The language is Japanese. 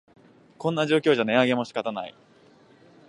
こんな状況じゃ値上げも仕方ない